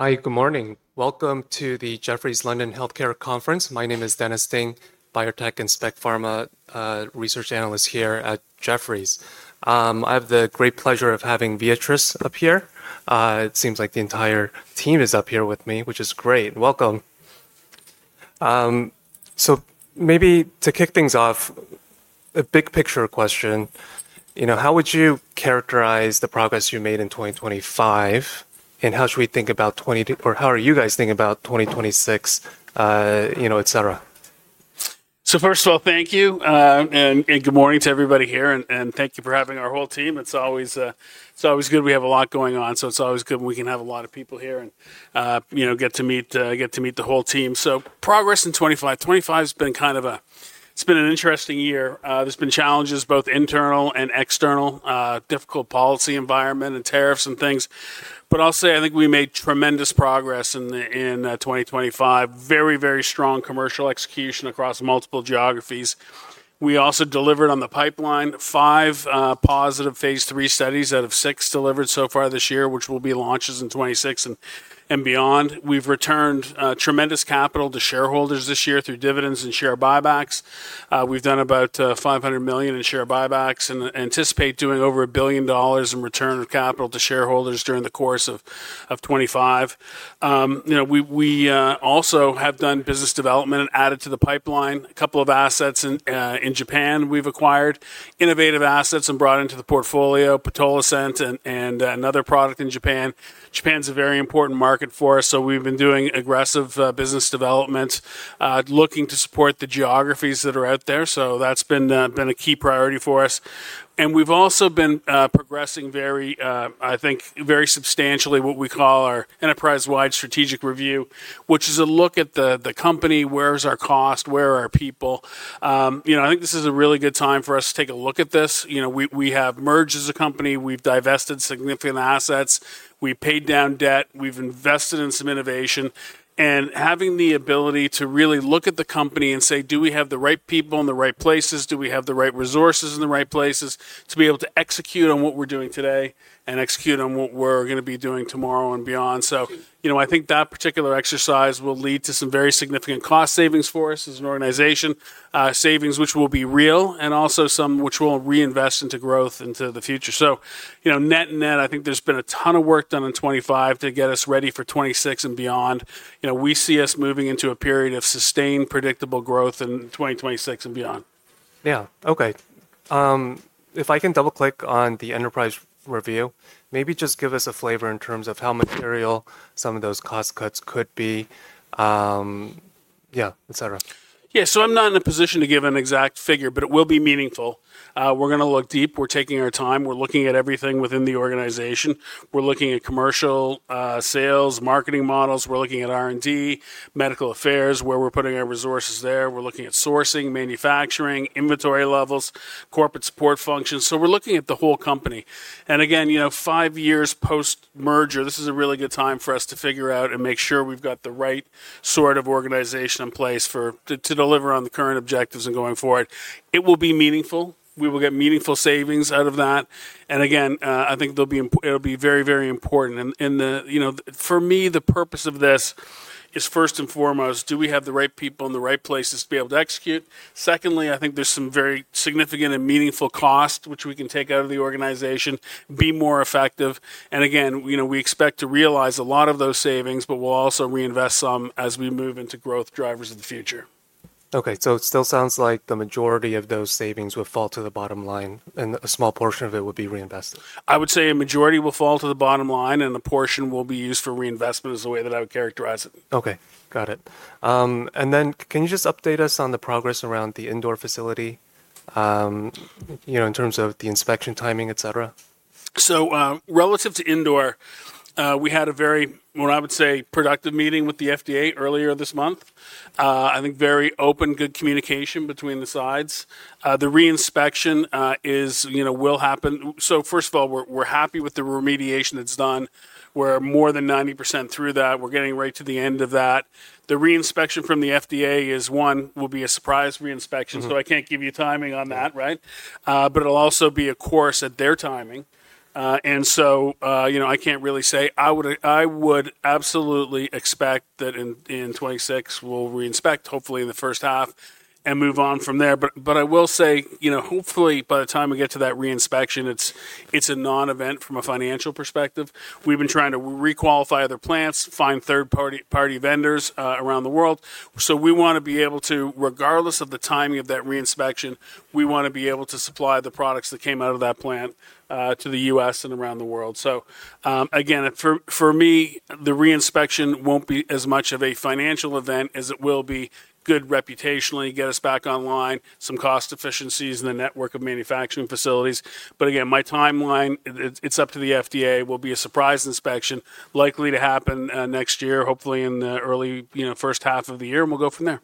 Hi, good morning. Welcome to the Jefferies London Healthcare Conference. My name is Dennis Ding, biotech and spec pharma research analyst here at Jefferies. I have the great pleasure of having Viatris up here. It seems like the entire team is up here with me, which is great. Welcome. Maybe to kick things off, a big picture question. How would you characterize the progress you made in 2025, and how should we think about 2025, or how are you guys thinking about 2026, et cetera? First of all, thank you, and good morning to everybody here, and thank you for having our whole team. It's always good. We have a lot going on, so it's always good when we can have a lot of people here and get to meet the whole team. Progress in 2025. 2025 has been kind of a—it's been an interesting year. There have been challenges, both internal and external, difficult policy environment and tariffs and things. I'll say I think we made tremendous progress in 2025. Very, very strong commercial execution across multiple geographies. We also delivered on the pipeline, five positive phase three studies out of six delivered so far this year, which will be launches in 2026 and beyond. We've returned tremendous capital to shareholders this year through dividends and share buybacks. We've done about $500 million in share buybacks and anticipate doing over a billion dollars in return of capital to shareholders during the course of 2025. We also have done business development and added to the pipeline a couple of assets in Japan. We've acquired innovative assets and brought into the portfolio Pitolisant and another product in Japan. Japan's a very important market for us, so we've been doing aggressive business development, looking to support the geographies that are out there. That's been a key priority for us. We've also been progressing very, I think, very substantially what we call our enterprise-wide strategic review, which is a look at the company. Where is our cost? Where are our people? I think this is a really good time for us to take a look at this. We have merged as a company. We've divested significant assets. We've paid down debt. We've invested in some innovation. Having the ability to really look at the company and say, "Do we have the right people in the right places? Do we have the right resources in the right places to be able to execute on what we're doing today and execute on what we're going to be doing tomorrow and beyond?" I think that particular exercise will lead to some very significant cost savings for us as an organization, savings which will be real, and also some which will reinvest into growth into the future. Net net, I think there's been a ton of work done in 2025 to get us ready for 2026 and beyond. We see us moving into a period of sustained predictable growth in 2026 and beyond. Yeah. Okay. If I can double-click on the enterprise review, maybe just give us a flavor in terms of how material some of those cost cuts could be, yeah, et cetera. Yeah. I'm not in a position to give an exact figure, but it will be meaningful. We're going to look deep. We're taking our time. We're looking at everything within the organization. We're looking at commercial sales, marketing models. We're looking at R&D, medical affairs, where we're putting our resources there. We're looking at sourcing, manufacturing, inventory levels, corporate support functions. We're looking at the whole company. Again, five years post-merger, this is a really good time for us to figure out and make sure we've got the right sort of organization in place to deliver on the current objectives and going forward. It will be meaningful. We will get meaningful savings out of that. Again, I think it'll be very, very important. For me, the purpose of this is first and foremost, do we have the right people in the right places to be able to execute? Secondly, I think there is some very significant and meaningful cost which we can take out of the organization, be more effective. Again, we expect to realize a lot of those savings, but we will also reinvest some as we move into growth drivers of the future. Okay. It still sounds like the majority of those savings will fall to the bottom line, and a small portion of it would be reinvested. I would say a majority will fall to the bottom line, and a portion will be used for reinvestment, is the way that I would characterize it. Okay. Got it. Can you just update us on the progress around the indoor facility in terms of the inspection timing, et cetera? Relative to indoor, we had a very, what I would say, productive meeting with the FDA earlier this month. I think very open, good communication between the sides. The reinspection will happen. First of all, we're happy with the remediation that's done. We're more than 90% through that. We're getting right to the end of that. The reinspection from the FDA is, one, will be a surprise reinspection. I can't give you timing on that, right? It'll also be of course, at their timing. I can't really say. I would absolutely expect that in 2026, we'll reinspect, hopefully in the first half, and move on from there. I will say, hopefully, by the time we get to that reinspection, it's a non-event from a financial perspective. We've been trying to requalify other plants, find third-party vendors around the world. We want to be able to, regardless of the timing of that reinspection, supply the products that came out of that plant to the US and around the world. Again, for me, the reinspection will not be as much of a financial event as it will be good reputationally, get us back online, some cost efficiencies in the network of manufacturing facilities. Again, my timeline, it is up to the FDA, will be a surprise inspection, likely to happen next year, hopefully in the early first half of the year, and we will go from there.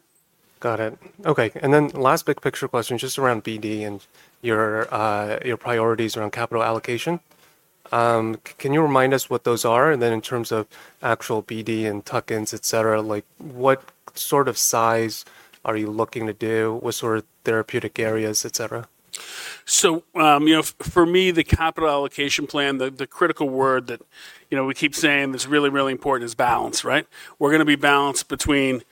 Got it. Okay. Last big picture question just around BD and your priorities around capital allocation. Can you remind us what those are? In terms of actual BD and tuck-ins, et cetera, what sort of size are you looking to do? What sort of therapeutic areas, et cetera? For me, the capital allocation plan, the critical word that we keep saying that's really, really important is balance, right? We're going to be balanced between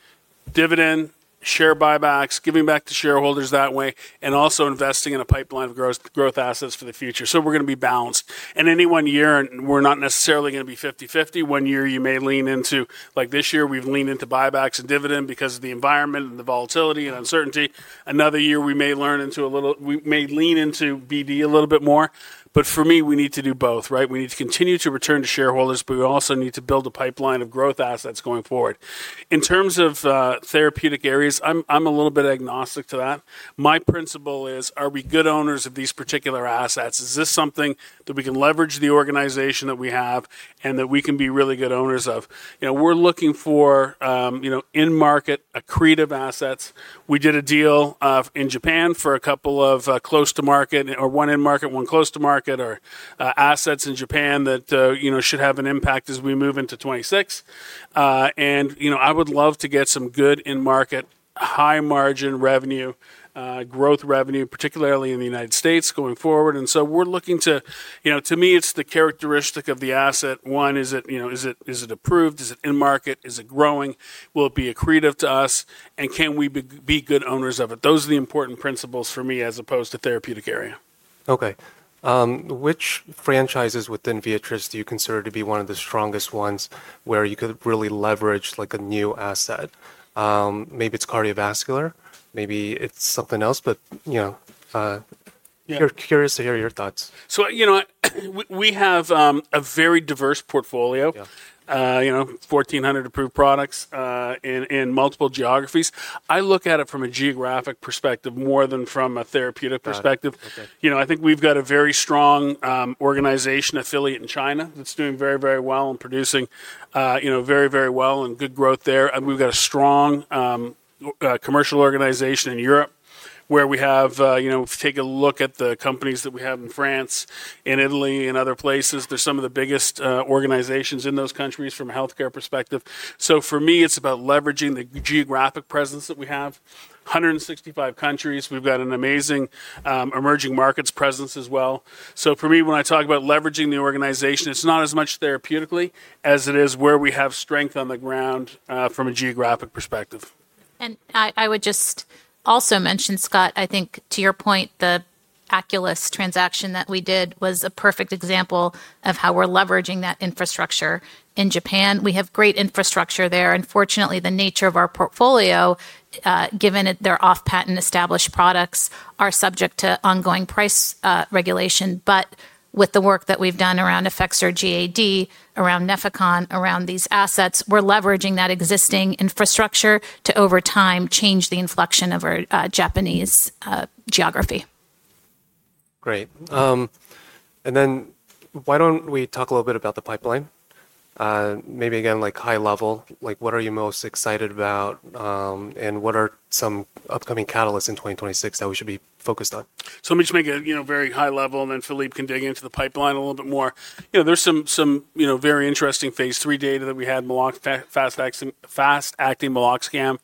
dividend, share buybacks, giving back to shareholders that way, and also investing in a pipeline of growth assets for the future. We're going to be balanced. In any one year, we're not necessarily going to be 50/50. One year you may lean into, like this year, we've leaned into buybacks and dividend because of the environment and the volatility and uncertainty. Another year, we may lean into BD a little bit more. For me, we need to do both, right? We need to continue to return to shareholders, but we also need to build a pipeline of growth assets going forward. In terms of therapeutic areas, I'm a little bit agnostic to that. My principle is, are we good owners of these particular assets? Is this something that we can leverage the organization that we have, and that we can be really good owners of? We're looking for in-market accretive assets. We did a deal in Japan for a couple of close-to-market, or one in-market, one close-to-market, or assets in Japan that should have an impact as we move into 2026. I would love to get some good in-market, high-margin revenue, growth revenue, particularly in the United States, going forward. We're looking to, to me, it's the characteristic of the asset. One, is it approved? Is it in-market? Is it growing? Will it be accretive to us? Can we be good owners of it? Those are the important principles for me as opposed to therapeutic area. Okay. Which franchises within Viatris do you consider to be one of the strongest ones where you could really leverage a new asset? Maybe it's cardiovascular, maybe it's something else, but curious to hear your thoughts. We have a very diverse portfolio, 1,400 approved products in multiple geographies. I look at it from a geographic perspective more than from a therapeutic perspective. I think we've got a very strong organization affiliate in China that's doing very, very well and producing very, very well and good growth there. We've got a strong commercial organization in Europe where we have, if you take a look at the companies that we have in France, in Italy, in other places, there's some of the biggest organizations in those countries from a healthcare perspective. For me, it's about leveraging the geographic presence that we have. 165 countries. We've got an amazing emerging markets presence as well. For me, when I talk about leveraging the organization, it's not as much therapeutically as it is where we have strength on the ground from a geographic perspective. I would just also mention, Scott, I think to your point, the Aculys transaction that we did was a perfect example of how we're leveraging that infrastructure in Japan. We have great infrastructure there. Unfortunately, the nature of our portfolio, given that they're off-patent established products, are subject to ongoing price regulation. With the work that we've done around Effexor GAD, around Nefecon, around these assets, we're leveraging that existing infrastructure to over time change the inflection of our Japanese geography. Great. Why don't we talk a little bit about the pipeline? Maybe again, high level, what are you most excited about and what are some upcoming catalysts in 2026 that we should be focused on? Let me just make it very high-level, and then Philippe can dig into the pipeline a little bit more. There's some very interesting phase three data that we had, Fast-Acting Meloxicam.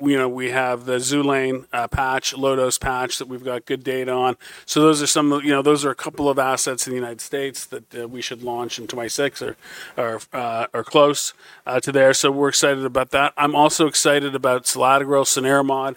We have the XULANE LO-dose patch that we've got good data on. Those are a couple of assets in the United States that we should launch in 2026 or close to there. We're excited about that. I'm also excited about Saladegrow, Cenerimod,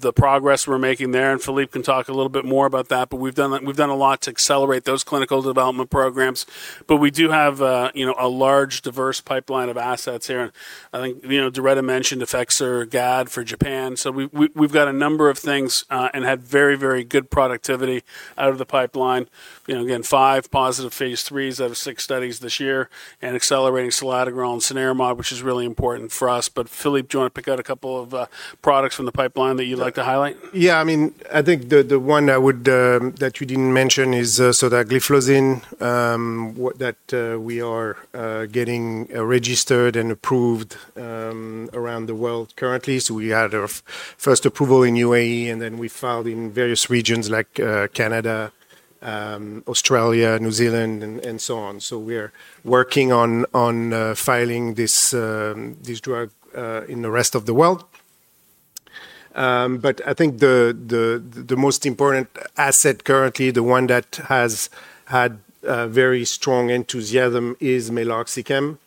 the progress we're making there. Philippe can talk a little bit more about that, but we've done a lot to accelerate those clinical development programs. We do have a large, diverse pipeline of assets here. I think Doretta mentioned Effexor GAD for Japan. We've got a number of things and had very, very good productivity out of the pipeline. Again, five positive phase threes out of six studies this year and accelerating Saladegrow and Cenerimod, which is really important for us. Philippe, do you want to pick out a couple of products from the pipeline that you'd like to highlight? Yeah. I mean, I think the one that you didn't mention is Sotagliflozin that we are getting registered and approved around the world currently. We had our first approval in United Arab Emirates, and then we filed in various regions like Canada, Australia, New Zealand, and so on. We're working on filing this drug in the rest of the world. I think the most important asset currently, the one that has had very strong enthusiasm, is Meloxicam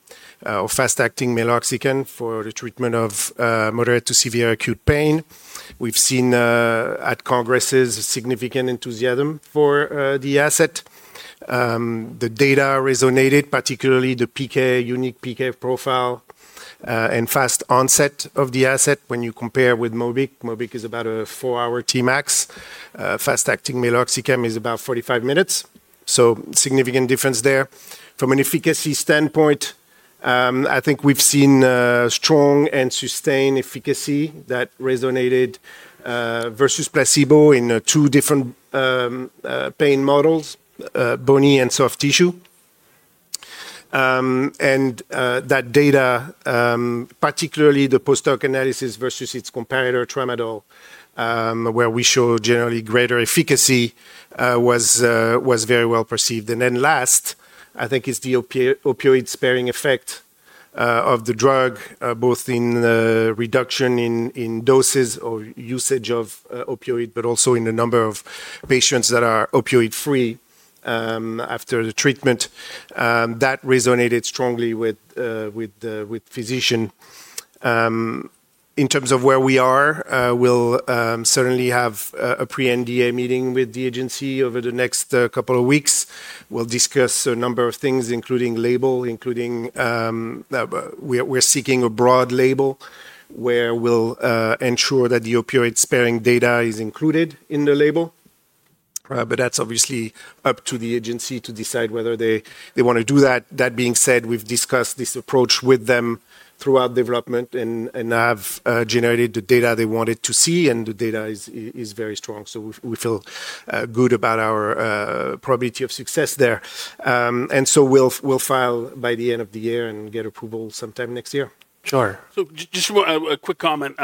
or Fast-Acting Meloxicam for the treatment of moderate to severe acute pain. We've seen at congresses significant enthusiasm for the asset. The data resonated, particularly the unique PK profile and fast onset of the asset when you compare with Mobic. Mobic is about a four-hour Tmax. Fast-Acting Meloxicam is about 45 minutes. Significant difference there. From an efficacy standpoint, I think we've seen strong and sustained efficacy that resonated versus placebo in two different pain models, bony and soft tissue. That data, particularly the post-doc analysis versus its competitor, Tramadol, where we show generally greater efficacy, was very well perceived. Last, I think it's the opioid-sparing effect of the drug, both in reduction in doses or usage of opioid, but also in the number of patients that are opioid-free after the treatment. That resonated strongly with physicians. In terms of where we are, we'll certainly have a pre-NDA meeting with the agency over the next couple of weeks. We'll discuss a number of things, including label, including we're seeking a broad label where we'll ensure that the opioid-sparing data is included in the label. That's obviously up to the agency to decide whether they want to do that. That being said, we've discussed this approach with them throughout development and have generated the data they wanted to see, and the data is very strong. We feel good about our probability of success there. We'll file by the end of the year and get approval sometime next year. Sure. Just a quick comment.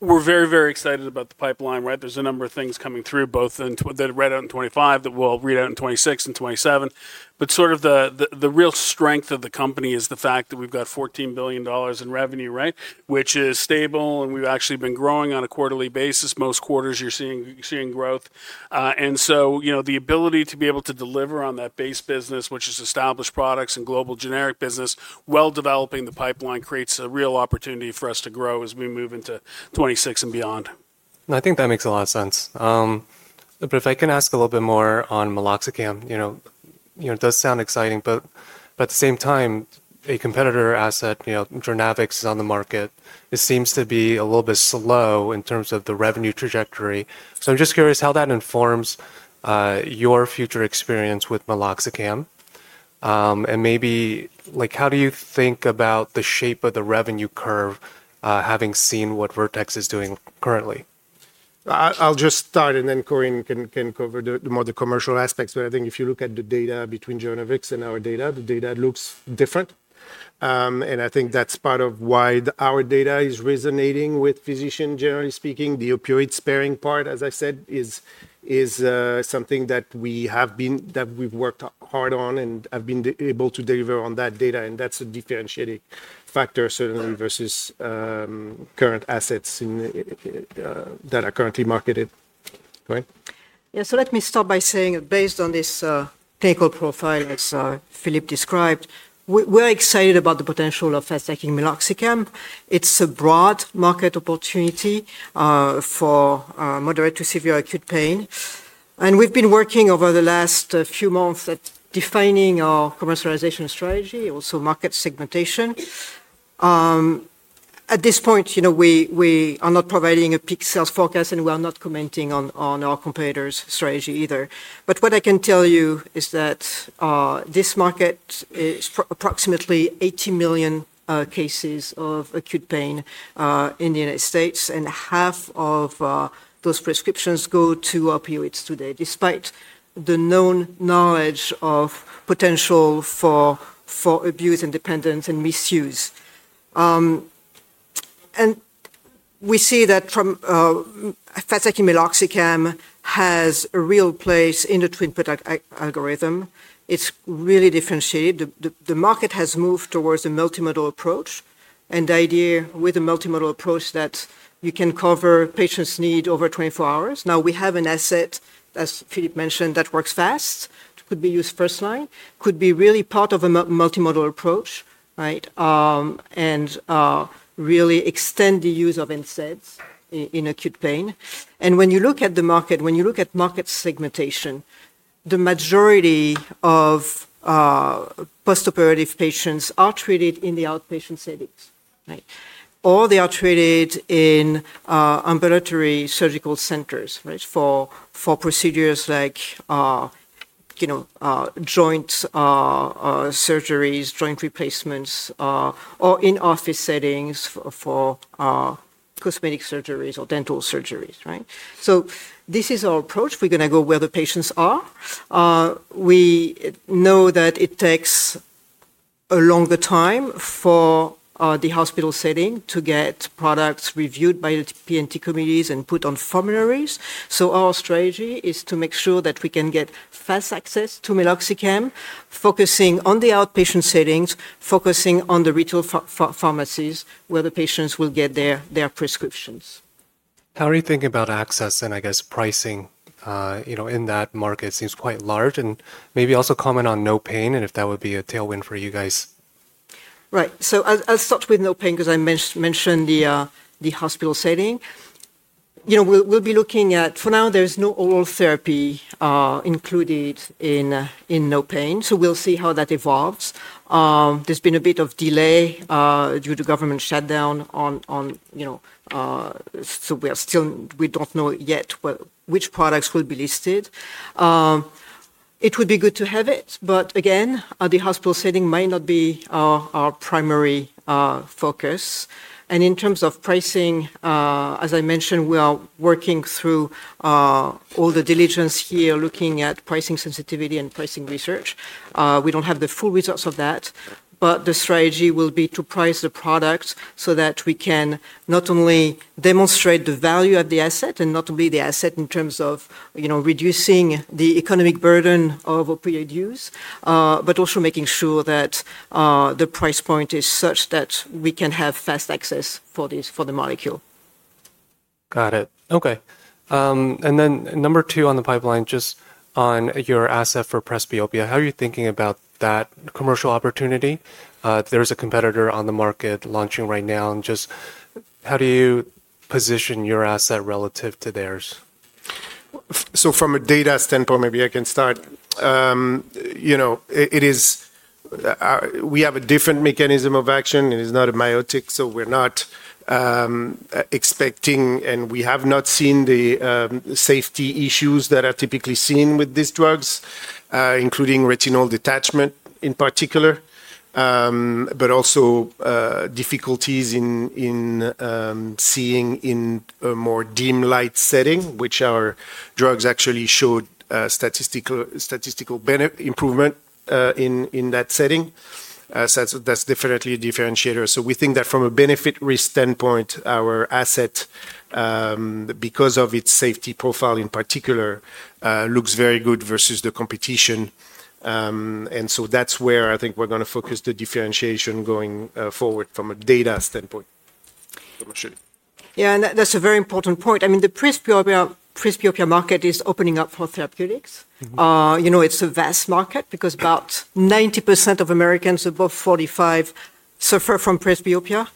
We're very, very excited about the pipeline, right? There's a number of things coming through, both that are read out in 2025 that we'll read out in 2026 and 2027. The real strength of the company is the fact that we've got $14 billion in revenue, right? Which is stable, and we've actually been growing on a quarterly basis. Most quarters you're seeing growth. The ability to be able to deliver on that base business, which is established products and global generic business, while developing the pipeline, creates a real opportunity for us to grow as we move into 2026 and beyond. I think that makes a lot of sense. If I can ask a little bit more on Meloxicam, it does sound exciting, but at the same time, a competitor asset, Journavx, is on the market. It seems to be a little bit slow in terms of the revenue trajectory. I'm just curious how that informs your future experience with Meloxicam. Maybe how do you think about the shape of the revenue curve, having seen what Vertex is doing currently? I'll just start, and then Corinne can cover more of the commercial aspects. I think if you look at the data between Journavx and our data, the data looks different. I think that's part of why our data is resonating with physicians, generally speaking. The opioid-sparing part, as I said, is something that we have been, that we've worked hard on and have been able to deliver on that data. That's a differentiating factor, certainly, versus current assets that are currently marketed. Corinne? Yeah. Let me start by saying that based on this take-home profile, as Philippe described, we're excited about the potential of Fast-Acting Meloxicam. It's a broad market opportunity for moderate to severe acute pain. We've been working over the last few months at defining our commercialization strategy, also market segmentation. At this point, we are not providing a peak sales forecast, and we are not commenting on our competitor's strategy either. What I can tell you is that this market is approximately 80 million cases of acute pain in the United States, and half of those prescriptions go to opioids today, despite the known knowledge of potential for abuse and dependence and misuse. We see that Fast-Acting Meloxicam has a real place in the treatment algorithm. It's really differentiated. The market has moved towards a multimodal approach. The idea with a multimodal approach is that you can cover patients' needs over 24 hours. Now we have an asset, as Philippe mentioned, that works fast, could be used first-line, could be really part of a multimodal approach, right? It can really extend the use of NSAIDs in acute pain. When you look at the market, when you look at market segmentation, the majority of post-operative patients are treated in the outpatient settings, right? They are treated in ambulatory surgical centers for procedures like joint surgeries, joint replacements, or in-office settings for cosmetic surgeries or dental surgeries, right? This is our approach. We're going to go where the patients are. We know that it takes a longer time for the hospital setting to get products reviewed by the P&T committees and put on formularies. Our strategy is to make sure that we can get fast access to Meloxicam, focusing on the outpatient settings, focusing on the retail pharmacies where the patients will get their prescriptions. How are you thinking about access and, I guess, pricing in that market? It seems quite large and maybe also comment on NO PAIN and if that would be a tailwind for you guys. Right. I'll start with NO PAIN because I mentioned the hospital setting. We'll be looking at, for now, there's no oral therapy included in NO PAIN. We'll see how that evolves. There's been a bit of delay due to government shutdown. We don't know yet which products will be listed. It would be good to have it, but again, the hospital setting might not be our primary focus. In terms of pricing, as I mentioned, we are working through all the diligence here, looking at pricing sensitivity and pricing research. We don't have the full results of that, but the strategy will be to price the product so that we can not only demonstrate the value of the asset and not only the asset in terms of reducing the economic burden of opioid use, but also making sure that the price point is such that we can have fast access for the molecule. Got it. Okay. Number two on the pipeline, just on your asset for Presbyopia, how are you thinking about that commercial opportunity? There is a competitor on the market launching right now. Just how do you position your asset relative to theirs? From a data standpoint, maybe I can start. We have a different mechanism of action. It is not a biotic, so we're not expecting, and we have not seen the safety issues that are typically seen with these drugs, including retinal detachment in particular, but also difficulties in seeing in a more dim light setting, which our drugs actually showed statistical improvement in that setting. That's definitely a differentiator. We think that from a benefit-risk standpoint, our asset, because of its safety profile in particular, looks very good versus the competition. That's where I think we're going to focus the differentiation going forward from a data standpoint. Yeah, and that's a very important point. I mean, the Presbyopia market is opening up for therapeutics. It's a vast market because about 90% of Americans above 45 suffer from Presbyopia.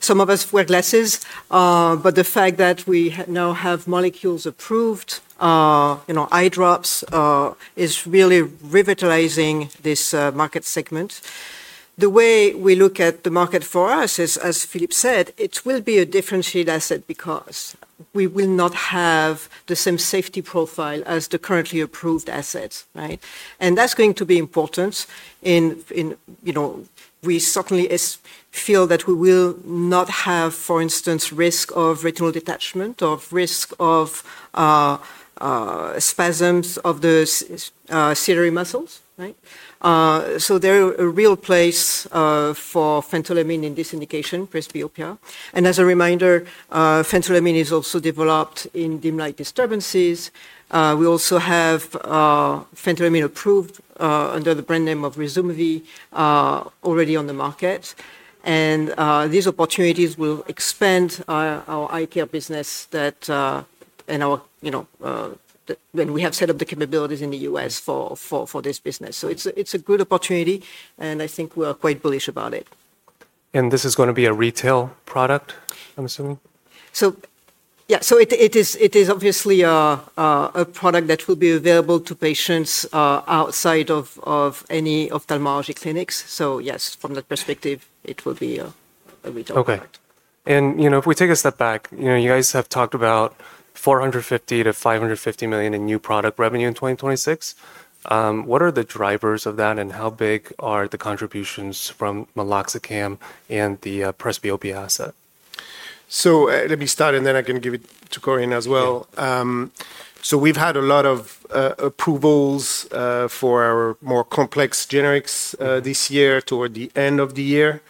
Some of us wear glasses, but the fact that we now have molecules approved, eye drops, is really revitalizing this market segment. The way we look at the market for us is, as Philippe said, it will be a differentiated asset because we will not have the same safety profile as the currently approved assets, right? That's going to be important. We certainly feel that we will not have, for instance, risk of retinal detachment, of risk of spasms of the ciliary muscles, right? There is a real place for phentolamine in this indication, Presbyopia. As a reminder, phentolamine is also developed in dim light disturbances. We also have phentolamine approved under the brand name of Ryzumvi already on the market. These opportunities will expand our eye care business and our when we have set up the capabilities in the US for this business. It's a good opportunity, and I think we're quite bullish about it. This is going to be a retail product, I'm assuming? Yeah, so it is obviously a product that will be available to patients outside of any ophthalmology clinics. So yes, from that perspective, it will be a retail product. Okay. If we take a step back, you guys have talked about $450 million-$550 million in new product revenue in 2026. What are the drivers of that, and how big are the contributions from Meloxicam and the Presbyopia asset? Let me start, and then I can give it to Corinne as well. We've had a lot of approvals for our more complex generics this year, toward the end of the year.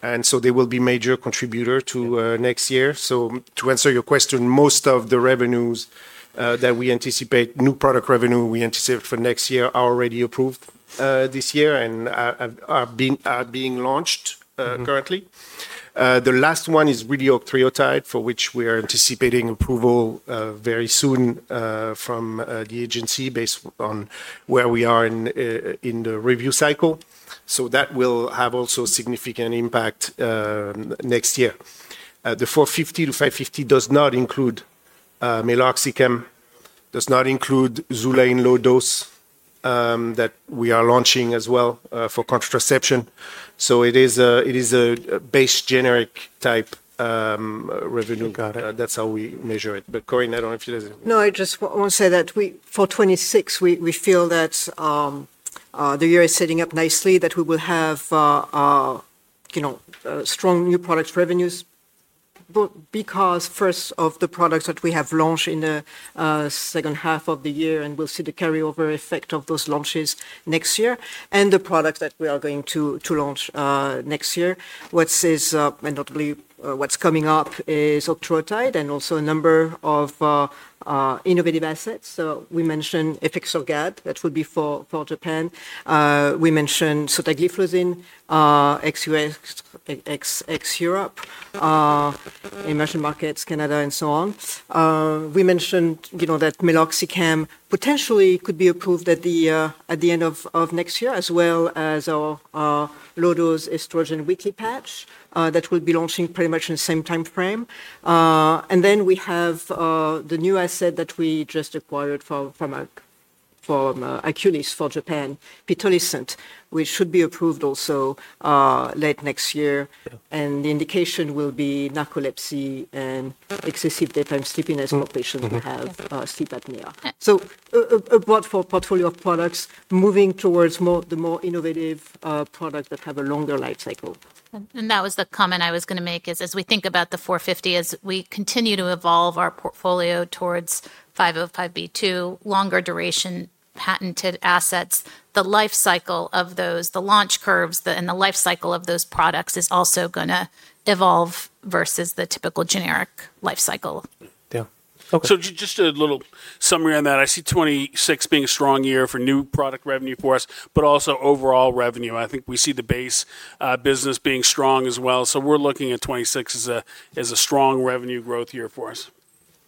They will be major contributors to next year. To answer your question, most of the revenues that we anticipate, new product revenue we anticipate for next year, are already approved this year and are being launched currently. The last one is really Octreotide, for which we are anticipating approval very soon from the agency, based on where we are in the review cycle. That will also have significant impact next year. The $450 million-$550 million does not include Meloxicam, does not include XULANE LO Dose that we are launching as well for contraception. It is a base generic type revenue. That's how we measure it. But Corinne, I don't know if you... No, I just want to say that for 2026, we feel that the year is setting up nicely, that we will have strong new product revenues because first of the products that we have launched in the second half of the year, and we'll see the carryover effect of those launches next year, and the products that we are going to launch next year. What's coming up is Octreotide and also a number of innovative assets. So we mentioned Effexor GAD, that would be for Japan. We mentioned Sotagliflozin, X-Europe, emerging markets, Canada, and so on. We mentioned that Meloxicam potentially could be approved at the end of next year, as well as our low-dose estrogen weekly patch that will be launching pretty much in the same time frame. We have the new asset that we just acquired from Aculys for Japan, Pitolisant, which should be approved also late next year. The indication will be narcolepsy and excessive daytime sleepiness for patients who have sleep apnea. A broad portfolio of products is moving towards the more innovative products that have a longer life cycle. That was the comment I was going to make is, as we think about the 450, as we continue to evolve our portfolio towards 505(b)(2), longer duration patented assets, the life cycle of those, the launch curves and the life cycle of those products is also going to evolve versus the typical generic life cycle. Yeah. So just a little summary on that. I see 2026 being a strong year for new product revenue for us, but also overall revenue. I think we see the base business being strong as well. So we're looking at 2026 as a strong revenue growth year for us.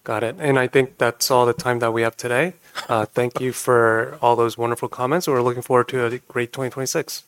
Got it. I think that's all the time that we have today. Thank you for all those wonderful comments. We're looking forward to a great 2026. Thank you.